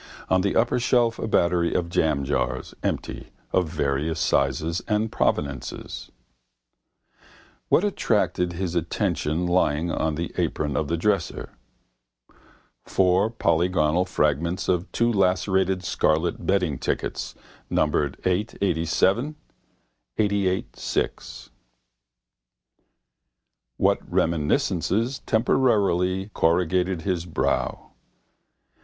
On the upper shelf a battery of jamjars (empty) of various sizes and proveniences. What attracted his attention lying on the apron of the dresser? Four polygonal fragments of two lacerated scarlet betting tickets, numbered 8 87, 88 6. What reminiscences temporarily corrugated his brow?